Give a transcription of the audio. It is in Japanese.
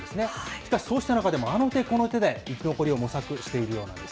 しかしそうした中でも、あの手この手で生き残りを模索しているようなんです。